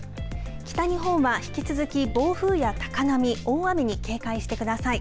北日本は引き続き、暴風や高波大雨に警戒してください。